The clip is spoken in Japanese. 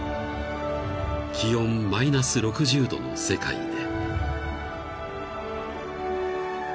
［気温マイナス６０℃の世界で］